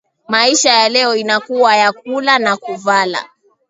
Maisha ya leo inakuwa ya kula na kuvala